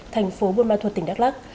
thành phố buôn ma thuật tỉnh đắk lắc